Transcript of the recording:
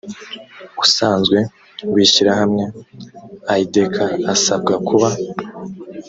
usanzwe w ishyirahamwe idec asabwa kuba